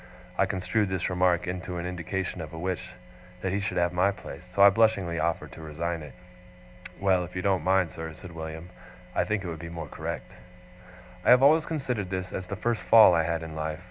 I construed this remark into an indication of a wish that he should have my place, so I blushingly offered to resign it. 'Well, if you don't mind, sir,' said William, 'I think it would be more correct.' I have always considered this as the first fall I had in life.